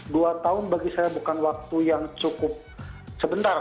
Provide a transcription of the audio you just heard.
dua tahun bagi saya bukan waktu yang cukup sebentar